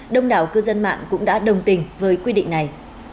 đông đảo cư dân mạng cũng đã đồng tình với quy định này